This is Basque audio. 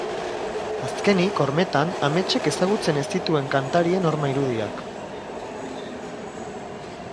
Azkenik, hormetan, Ametsek ezagutzen ez dituen kantarien horma-irudiak.